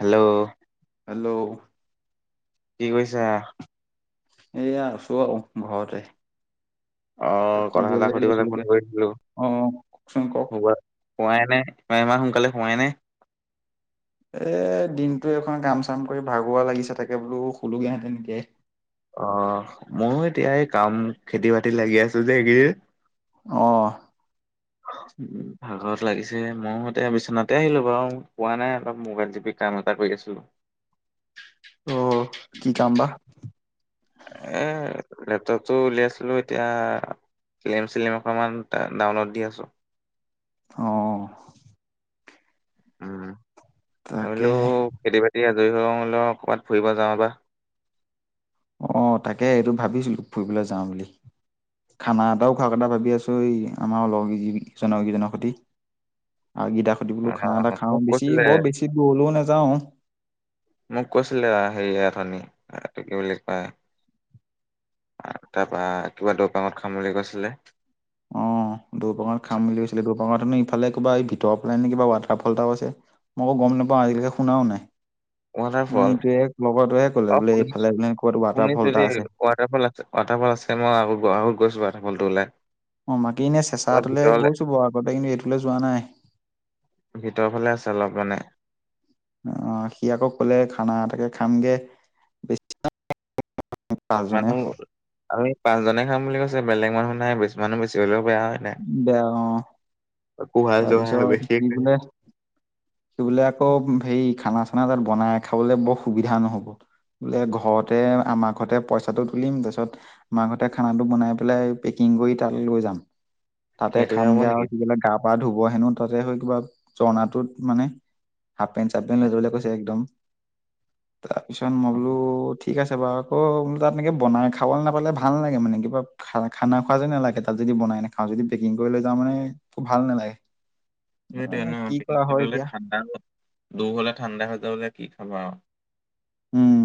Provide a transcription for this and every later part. Hello! Hello? কি কৰিছা? এ, আছোঁ আও, ঘৰতে। অ'! কথা এটা শুবলে সুধিবলে, ফোন লৈছিলোগে কৰিছিলোঁ? অ কওকচোন কওক শুৱাই নাই, ইমান সোনকালে শুৱে নে? এ, দিনটো এখন কাম- চাম কৰি, ভাগৰুৱা লাগিছে! তাকে, বোলো শুলোগে হেঁতেন, এতিয়াই। অ'! মইয়ো এতিয়া, এই কাম, খেতি বাতিত লাগি আছোঁ যে, এইকেইদিন। অ'! [inaudible] [unintelligible] ভাগৰত লাগিছে! মই এতিয়া, বিচনাতে আহিলোঁ বাৰু। শুৱা নাই, অলপ মোবাইল টিপি কাম এটা কৰি আছিলোঁ। অ'! কি কাম বা? এ, লেপটপটো উলিয়াইছিলোঁ, এতিয়া। ফিলিম-চিলিম অকণমান, ডাউনলোড দি আছোঁ। অ'! উম! তাকেহে [unintelligible] খেতি- বাতি আজৰি হ'লেও, ক'ৰবাত ফুৰিব যাওঁ, বা। অ'! তাকে, এইটো ভাবিছিলোঁ! ফুৰিবলৈ যাওঁ বুলি। খানা এটাও খোৱাৰ কথা ভাবি আছোঁ! এই, আমাৰ লগ, জনকেইজনৰ সৈতে। আৰু [unintelligible] বোলো, খানা এটা অ' খাওঁ। মোক বেছি কৈছিলে বৰ, বেছি দূৰলেও নাযাওঁ। মোক কৈছিলে, হেৰি অথনি, এইটো কি বুলি কয়? তাৰপা, কিবা দৈপাঙত খাম বুলি কৈছিলে। অ'! দৈপাঙত খাম বুলি কৈছিলে। দৈপাঙত ইফালে কিবা, এই, ভিতৰ ফালে নে, কিবা ৱাটাৰ ফ'ল এটাও আছে। মইয়ো গম নাপাওঁ। আজিলৈকে, শুনাও নাই। অ'! ৱাটাৰফল এইটোৱে, লগৰটোৱে ক'লে অ বোলে, শুনিছো এইফালে ক'ত ৱাটাৰ শুনিছো ফ'ল এটা দেই আছে। ৱাটাৰফ'ল আছে, ৱাটাৰফ'ল আছে। মই, আও, আও গৈছোঁ, ৱাটাৰফ'লটোলে। অ'! বাকী, এনেই চেঁচাটোলে গৈছোঁ বাৰু আগতে। কিন্তু, এইটোলে যোৱা নাই। এইফালে আছে, অলপ মানে। অ'! সি আকৌ ক'লে, খানা এটাকে খামগে। [unintelligible] পাঁচজনে মানুহ, আমি পাঁচজনে খাম বুলি কৈছে, বেলেগ মানুহ নাই। মানুহ বেছি হ'লেও বেয়া হয়। নাই দে অ'! কোহাল জোহাল তাৰপিছত, বেছি কি বোলে সেই বোলে, আকৌ হেৰি, খানা-চানা তাত বনাই খাবলে, বৰ সুবিধা নহ'ব। বোলে ঘৰতে, আমাৰ ঘৰতে পইচাটো তুলিম। তাৰপিছত, আমাৰ ঘৰতে খানাটো বনাই পেলাই, পেকিং কৰি তালৈ লৈ যাম। তাতে সেইটোহে হ'ব খামগে আৰু। নেকি সিবিলাক গা-পা ধুব হেনোঁ। তাতে, হৈ কিবা ঝৰনাটোত মানে। হাফ পেণ্ট- চাফ পেণ্ট ললে কৈছে একদম। ‌ তাৰ পিছত, মই বোলো ঠিক আছে বাৰু। আকৌ, তাত এনেকৈ বনাই খাবলৈ নাপালে, ভাল নালাগে মানে, কিবা। খানা-খানা খোৱা যেন নালাগে, তাত যদি বনাই নে খাওঁ। যদি, পেকিং কৰি লৈ যাওঁ মানে, খুউব ভাল নালাগে। সেইটোৱে মানে ন কি পেকিং কৰা টো হয় ল'লে এতিয়া ঠাণ্ডা, দূৰ হ'লে ঠাণ্ডা হৈ যাব যে কি খাবা আৰু উম,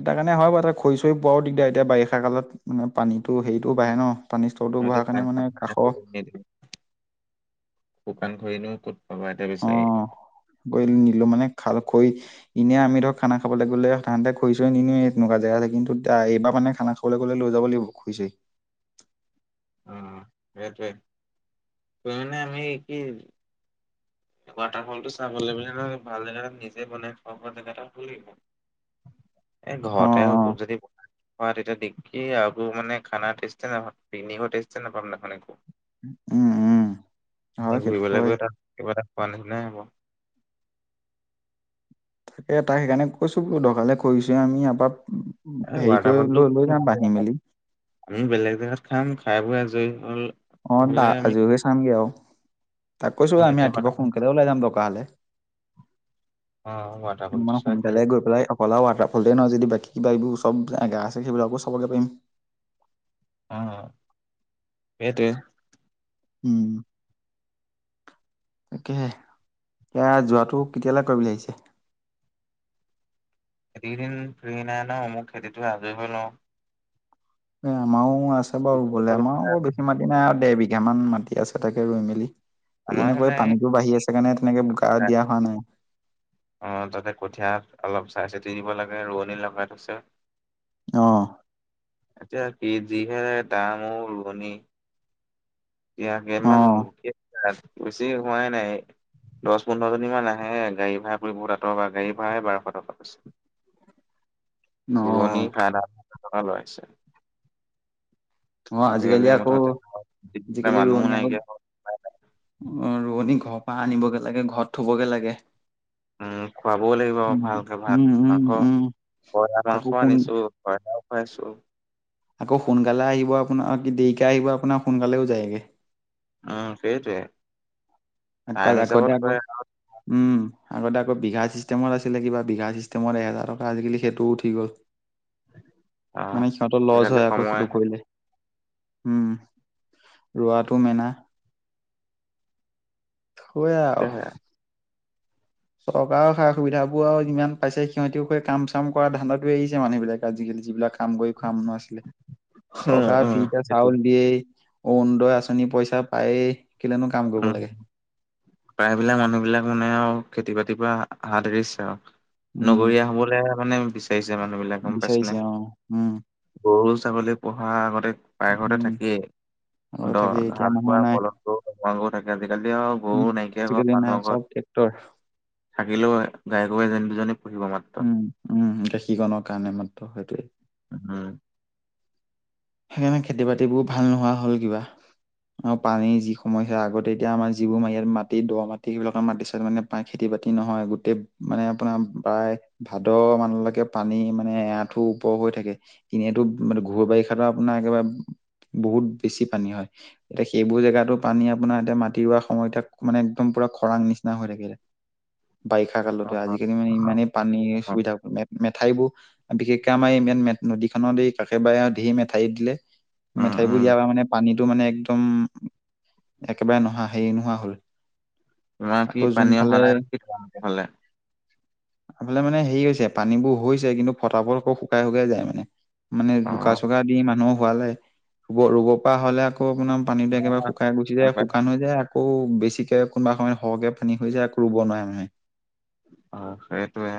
এটাৰ কাৰণে হয় বাৰু তাত খৰি চৰি পোৱাও দিগদাৰ এতিয়া বাৰিষা কালত মানে পানীটো হেৰীটো বাঢ়ে ন? পানী স্তৰটো নি বঢ়াৰ কাৰণে মানে কাষৰ [unintelligible] শুকান খৰি এনেও ক'ত পাবা এতিয়া বিচাৰি। গৈ নিলো মানে খাল খৰি ইনেয়ে আমি ধৰক খানা খাবলৈ গ'লে সাধাৰণতে খৰি চৰি নিনিওৱে তেনেকুৱা জেগালে কিন্তু এইবাৰ মানে খানা খ খাবলৈ গ'লে লৈ যাব লাগিব খৰি চৰি। অহ সেইটোৱে, তোমাৰ মানে আমি কি ৱাটাৰ ফলটো চাবলে মানে নহয় ভাল জেগা এটাত নিজে বনাই খোৱা বোৱা জেগা এটা হ'ব লাগিব। এ অ ঘৰতে হৈ অ। গ'ল যদি বনাই হয় তেতিয়া দেখি আকৌ মানে খানা টেষ্টে নাপাম। পিকনিকৰ টেষ্টে নাপাম দেখুন একো। উম উম এই হয় সেইটোত ঘূৰিবলৈ হয়। গৈ তাত কিবা এটা খোৱা নিচিনাহে হ'ব। তাকে তাইক সেইকাৰণে কৈছোঁ বোলো নহ'লে খৰি চৰি আমি ইয়াৰ এই পৰা হেৰী ৱাটাৰ কৰি ফলটো হ'লেও লৈ যাম বান্ধি মেলি আমি বেলেগ জেগাত খাম খাই বৈ আজৰি হ'ল অঁ দা হ'লে আমি আজৰি হৈ চামগে আৱ। তাক অ' কৈছোঁ আমি তেতিয়া ৱাটাৰ ৰাতিপুৱা সোনকালে ওলাই যাম দৰকা হ'লে। অঁ মানে ৱাটাৰফলটো চোৱা সোনকালে কি আৱ গৈ পেলাই অকল আৰু ৱাটাৰফলটোৱে নহয় যদি বাকী কিবা এইবোৰ চব জেগা আছে সেইবিলাকো চাবগে পাৰিম। অহ সেইটোৱে। উম। তাকেহে এতিয়া যোৱাটো কেতিয়ালে কয় বুলি আহিছে? খেতি কেইদিন ফ্ৰী নাই ন মোৰ খেতিটো আজৰি হৈ লওঁ। এ আমাৰো আছে বাৰু ৰুবলে আমাৰ আমাৰো বৰ বেছি মাটি নাই আৰু দেৰ বি বিঘা মান মাটি আছে তাকে ৰুই মেলি, এইকেইদিন আকৌ এই পানীতো বাঢ়ি আছে। সেইকাৰণে তেনেকে বোকা দিয়া হোৱা নাই। অঁ তাতে কঠিয়াত অলপ চাই চিতি দিব লাগে ৰোৱনী লগাই থৈছে। অহ। এতিয়া কি যিহে দাম অও ৰোৱনী। ইয়কে মান অ', [unintelligible] এতিয়া, বেছি হোৱাই নাই দছ পোন্ধৰ জনী মান আহে হে গাড়ী ভাড়া বহুত আঁতৰ পৰা গাড়ী ভাড়ায়ে বাৰশ টকা আছে। ৰোৱনী অ', সাত আঠ হাজাৰ টকা লৈ আছে। অঁ আজিকালি আকৌ আজিকালি মানুহো ৰোৱনী আ নাইকিয়া হ'ল অঁ ৰোৱনী ঘৰৰ পৰা আনিবগে লাগে ঘৰত থবগে লাগে। উম খুৱাবও লাগিব আৰু উম, ভালকে ভাত উম, উম, মাংস উম, বইলা তাকো মাংস কোন আনিছো। বইলাও খোৱাইছো। আকৌ সোনকালে আহিব আপোনাৰ কি দেৰিকে আহিব আপোনাৰ সোনকালেও যায়গে। উম সেইটোৱে। আক টাইম আগতে হিচাপত আকৌ কৰে উম আগতে আকৌ বিঘা চিষ্টেমত আছিলে কিবা বিঘা চিষ্টেমত এহেজাৰ টকা আজিকালি সেইটোও উঠি গ'ল। অ মানে সিহঁতৰ লজ আজিকালি হয় আকৌ সময় সেইটো আহে কৰিলে। উম, ৰোৱাটো মেনা। হয় আৱ। সেয়াই চৰকাৰৰ সা সুবিধাবোৰ আৱ যিমান পাইছে সিহঁতিবোৰে কাম চাম কৰা ধান্দাটো এৰিছে মানুহ বিলাকে আজিকালি যিবিলাক কাম কৰি খোৱা মানুহ আছিলে। উম চৰকাৰে উম ফ্ৰীতে সেইটো চাউল দিয়েই। অৰুণোদয় আঁচনিৰ পইচা পায়েই কেলেনো কাম উম কৰিব লাগে। প্ৰায়বিলাক মানুহ বিলাক মানে আৱ খেতি বাতিৰ পৰা হাত এৰিছে আৱ। উম নগৰীয়া হ'বলৈ মানে বিচাৰিছে মানুহ বিলাকে গম পাইছা', বিচাৰিছে অ', - উম', গৰু ছাগলী পোহা আগতে পাইঘৰতে উম থাকিয়েই, আগতে থাকেই ধৰ এতিয়া হাল মানুহ বোৱা নাই ফলত', ভাং গৰুও থাকে, আজি কালি আওঁ', উম', আজিকালি নাই, চব ট্ৰেক্টৰ', থাকিলেও গায় গৰু এজনী - দুজনী পোহিব মাত', উম', - উম', গাখীৰখনৰ কাৰণে মাত্ৰ সেইটোয়েই', উ', -উম', সেইকাৰণে খেতি - বাতিবোৰ ভাল নোহোৱা হ'ল কিবা', আৰু পানী যি সময় হে আগতে এতিয়া আমাৰ যিবোৰ মা ইয়াত মাটি দ মাটি সেইবিলাক মাটি চাই মানে', তাত খেতি - বাতি নহয় গোটেই মানে আপোনাৰ প্ৰায়', ভাদ মানলৈকে পানী মানে এআঠু ওপৰ হৈ থাকে, এনেতো মানে ঘোৰ বাৰিষা', তেখেতৰ আপোনাৰ একেবাৰে ব', -বহুত বেছি পানী হয়', এতিয়া সেইবোৰ জেগাতো পানী আপোনাৰ এতিয়া মাটি ৰোৱা সময়তে মানে একদম পুৰা খৰাং নিচিনা হৈ থাকিলে', বাৰিষা অ কালতো আজিকালি অ মানে ইমানেই পানী অ সুবিধা মে', মেঠাইবোৰ, বিশেষকে আমাৰ ইমান নদীখনত কাষেবাৰে ধেৰ মেঠাৰি দিলে', উম মেঠাইবোৰ উম দিয়াৰ পৰা মানে পানীতটো মানে একদম, একেবাৰে নোহা হেৰি নোহোৱা হ'ল', তোমাৰ কি আকৌ পানী যোনফালে অহা নাই কি তোমালোকৰ ফালে? আমাৰ ফালে মানে হেৰি হৈছে পানীবোৰ হৈছে কিন্তু ফটাফট আকৌ শুকাই - শুকাই যায় মানে', মানে অ বোকা - চোকা দি মানুহ হোৱালে', ৰো', - ৰোব পৰা হ'লে আকৌ আপোনাৰ পানীটো বেয়াকে বাৰো শুকাই গুচি যায় শুকান হৈ যায়', আকৌ বেছিক কে কোনোবা সময়ত সৰহকে পানী হৈ যায় আকৌ ৰোব নোৱাৰে মানুহে', অ', সেইটোৱে',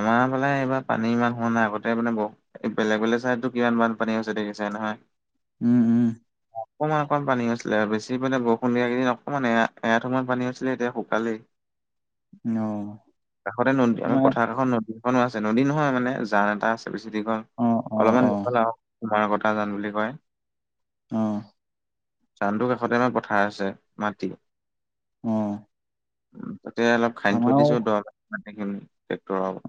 আমাৰ ফালে এইবাৰ পানী ইমান হোৱা নাই আগতে মানে বহু', এই বেলেগ - বেলেগ চাইডতটো কিমান বানপানী হৈছে দেখিছাই নহয়', উম', - উম', অ', অকমান অকমান পানী হৈছিলে আৰু বেছি পানে বৰষুণ দিয়া কেইদিন অকমান এয়া এআঠু সমান পানী হৈছিলে এতিয়া শুকালেই', অ কাষতে নদী আমা', আমাৰ কাষত নদী এখনো আছে নদী নহয় মানে জান এটা আছে বেছি দীঘল, অ অ অলপমান অ দীঘল আৰু', তোমাৰ কটা জান বুলি কয়', উম', জানটো কাষতে আমাৰ পথাৰ আছে মাটি', অহ', উ', তাতে অলপ খান্দি থৈ দিছোঁ দ মাটি খিনি',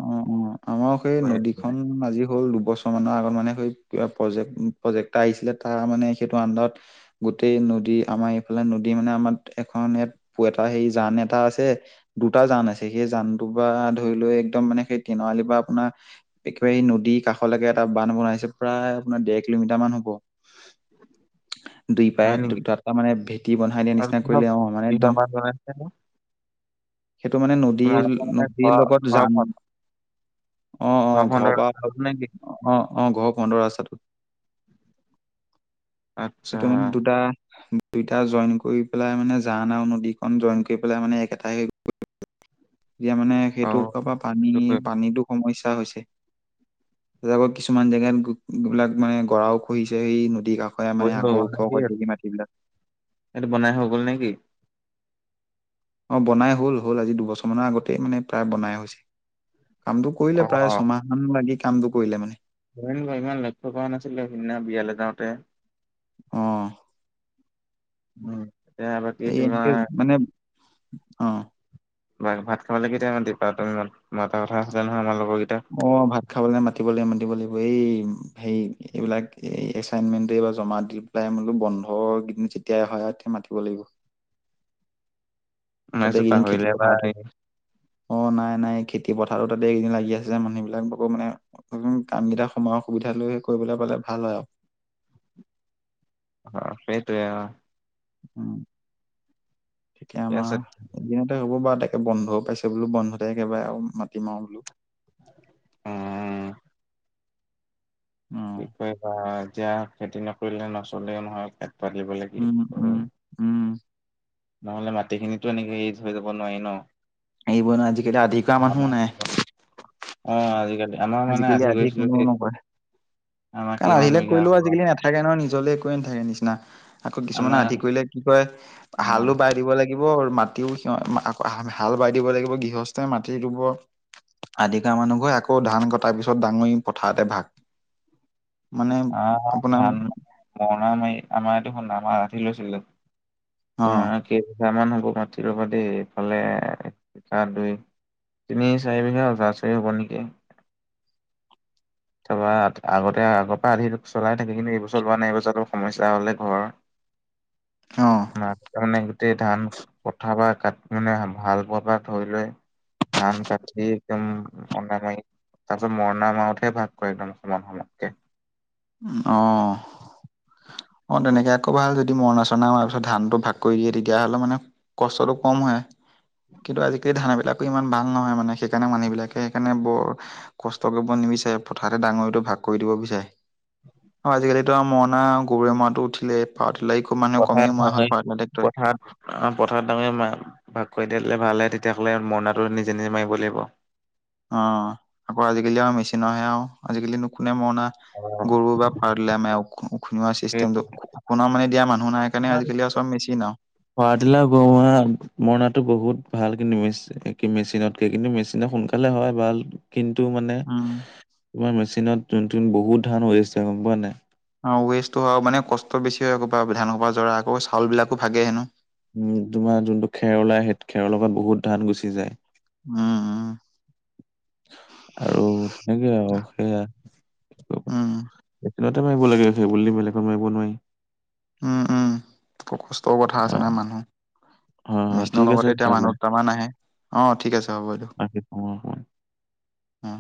অ', - অ', আমাৰ সেই কঢ়িয়াই পেলাই। নদীখন আজি হ'ল দুবছৰ', ছহ মাহ মানৰ আগত মানে সেই প্ৰজেক্ট উম', প্ৰজেক্ট এটা আহিছিলে তাৰ মানে সেইটো আন্ডাৰত', গোটেই নদী আমাৰ এইফালে নদী মানে আমাৰ এখন ইয়াত', পু এটা সেই জান এটা আছে, দুটা জান আছে, সেই জানটোৰ পৰা ধৰি লোৱা এক', একদম মানে সেই তিনিআলি পৰা আপোনাৰ এহ্', একেবাৰেই এই নদীৰ কাষলৈকে এটা বান্ধ বনাইছে প্ৰায় আপোনাৰ দেৰ কিলোমিটাৰ মান হ'ব', উম', দুই পায়ে হয় নেকি, দুটা এটা মানে ভেটি বনাই দিয়া আৰু নিচিনা কিহ কৰিলে অ মানে - একদম কিহৰ বান্ধ বনাইছেনো? সেইটো মানে নদীৰ - মানে নদীৰ ঘৰ লগত ঘৰ জান', অ', - অ', ঘৰৰ ফ্ৰণ্টৰ পৰা, ৰাস্তাটোত নে অ', - অ', ঘৰৰ পোন্ধৰ ৰাস্তাটো', আচ্ছা সেইটো মানে দুটা উম', দুইটা জইন কৰি পেলাই মানে জান আৰু নদীখন জইন কৰি পেলাই মানে একেটাই হৈ গ'ল', এতিয়া মানে অ সেইটো ওপৰৰ পৰা পানী, সেইটো কৰিব পানীটো সমস্যা হৈছে', আকৌ কিছুমান জেগাত গ', -গ', বিলাক মানে গৰাও খহিছে সেই নদীৰ কাষ', হয় মানে কৰিলো আগৰ ওখ হৈ পলি মাটিবিলাক', এইটো বনাই হৈ গ'ল নেকি? অ বনাই হ'ল হ'ল আজি দুবছৰ মানৰ আগতে মানে প্ৰায় বনাই হৈছে কামটো কৰিলে অ প্ৰায় ছমাহ মান লাগি কামটো কৰিলে মানে [unintelligible] ইমান লক্ষ্য কৰা নাছিলো সিদিনা বিয়ালৈ যাওঁতে। অ উম এতিয়া বাকী এই তোমাৰ এনেকে মানে অ ভাত ভাত খাবলে কেতিয়া মাতিবা তুমি মোক মাতাৰ কথা আছিলে নহয় আমাৰ লগৰকেইটা অ ভাত খাবলৈ মাতিব লাগিব মাতিব লাগিব এই হেৰি এইবিলাক এই এচাইনমেণ্টটো বা জমা দিব দি পেলাই বোলো বন্ধ গিদিন যেতিয়াই হয় আও তেতিয়া মাতিব লাগিব। মই হতহ ভাবিছো এই কেইদিন খেতি পাহৰিলে বা পথাৰতো এই অ নাই নাই খেতি পথাৰো তাতে এইকেইদিন লাগি আছে মানুহ বিলাক ব আকৌ মানে অকমান কাম কেইটা সময়ৰ সুবিধা লৈ হে কৰি পেলাবলে ভাল হয় আও অ সেইটোৱে অ উম, তেতিয়া ঠিকে আছে আমাৰ এদিনতে হ'ব বাৰু তাকে বন্ধও পাইছে বোলো বন্ধতে একেবাৰে আও মাতিম আও বোলো উম উম কি কয় এটা এতিয়া খেতি নকৰিলে নচলেও নহয় পেট পাতিবলে। উম উম উম নহলে মাটিখিনিতো এনেকে এৰি থৈ যাব নোৱাৰি ন। এইবোৰ ন আজিকালি আধি কৰা মানুহো আমাৰ নাই কেইখন অ আজিকালি আমাৰ মানে আজিকালি আধি কৰিছিলো কোনোও দেই নকয় আমাৰ কাৰণ কিমান আধিলৈ বিঘা কৰিলেও হ'ব আজিকালি নেথা থাকে নহয় নিজলে একোৱে নাথাকে নিচিনা আকৌ কিছুমানে আমাৰ আধি কৰিলে কি কয় উম হালো বাই দিব লাগ লাগিব আৰু মাটিও সি হাল বাই দিব লাগিব গৃহস্থই মাটি ৰুব আধা কৰা মানুহ ঘৱে আকৌ ধান কটাৰ পিছত ডাঙৰি পথাৰতে ভাগ। মানে আহ ধান আপোনাৰ- মৰণা মাৰি আমাৰ এয়াটোদেখোন আমাৰ আধি লৈছিলো অ', তোমাৰ কেই বিঘা মান হ'ব মাটি ৰবা দেই এইফালে সাত দুই তিনি-চাৰি বিঘা ওচৰা-ওচৰি হ'ব নেকি। তাপা আগতে আগ পা আধিটো চলাই থাকে কিন্তু এইবছৰ লোৱা নাই এই বছৰতো সমস্যা হ'লে ঘৰ অ মাঠটো মানে গোটেই ধান পঠা বা কাটি মানে ভাল পোৱাৰ পৰা ধৰি লৈ ধান কাঠি একদম মৰনা মাই তাৰপিছত মৰণা মাওতেহে ভাগ কৰে একদম সমান সমানকে উম অহ অ তেনেকে আকৌ ভাল যদি মৰণা চৰণা মাৰ পিছত ধান টো ভাগ কৰি দিয়ে তেতিয়াহ'লে মানে কষ্টটো কম হয়। কিন্তু আজিকালি ধানবিলাক ইমান ভাল নহয়। মানে সেইকাৰণে মানুহবিলাকে সেইকাৰণে বৰ কষ্ট কৰিব নিবিচাৰে পথাৰতে ডাঙৰিটো ভাগ কৰি দিব বিচাৰে- অ আজিকালিতো আৰু মৰণা গৰুৱে, মৰাটো উঠিল পাৱাৰতেলাৰ খুব মানুহে কমেই মৰা হল পাৱাৰ টেলাৰ টেক্টৰে অ পথাৰত ডাঙৰিয়া ভাগ কৰি দিলে ভাল হয়। তেতিয়াহ'লে মৰণাটো নিজে নিজে মাৰিব লাগিব অ আকৌ আজিকালি আও মেচিনৰহে আও আজিকালি কোনো মৰণা, গৰু, বা পাৱাৰ টেলাৰে মাৰে আও খুনোৱা চিষ্টেমটো সেইটোৱে। খুনোৱা মানে দিয়া মানুহ নাই কাৰণে আজিকালি আৰু চব মেচিন আও পাৱাৰ টেলাৰ, গাৰু [unintelligible] মৰণটো বহুত ভালকে মিছ কি মেচিনতকে কিন্তু মেচিনে সোনকালে হয় ভাল কিন্তু মানে উম তোমাৰ মেচিনত যোন টোন বহুত ধান ৱেষ্ট হয় গম পোৱা নাই অ ৱেষ্টটো হয় মানে কষ্ট বেছি হয় আকৌ পাৱাৰবিলাই যৰা আকৌ চাউল বিলাকো ভাগে হেনো। উম তোমাৰ যোনটো খেৰ উলাই সেই খেৰৰ লগত বহুত ধান গুচি যায়। উম উম আৰু তেনেকে আৰু সেইয়া উম এইপিনে ত মাৰিব লাগে সেইবোলি বেলেগত মাৰিব নোৱাৰি। উম-উম কষ্টৰ কথা অ আছে। হয় ন মানুহ হয় মিচিনৰ ঠিক আছে লগতে এতিয়া তেতিয়াহ'লে মানুহদুটামান আহে অ ঠিক আছে হ'ব বাইদউ, ৰাখিছোঁ অ।